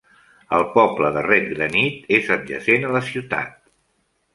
El poble de Redgranite és adjacent a la ciutat.